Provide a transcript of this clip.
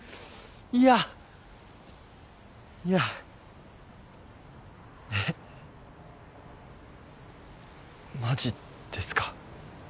いやいやえっマジですか？